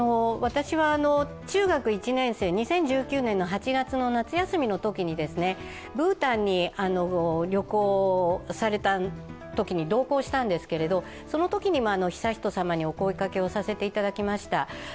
私は中学１年生、２０１９年８月の夏休みのときにブータンに旅行されたときに同行したんですけれども、そのときにも悠仁さまにお声かけをさせていただきました。